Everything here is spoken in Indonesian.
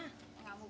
soalnya mau kemana